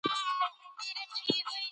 د خلکو خوراک د چاپیریال اغېز ټاکي.